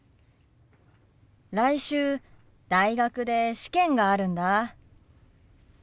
来週大学で試験があるんだ。